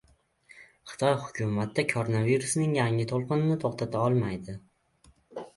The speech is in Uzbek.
Xitoy hukumati koronavirusning yangi to‘lqinini to‘xtata olmaydi